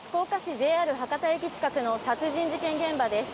ＪＲ博多駅近くの殺人事件現場です。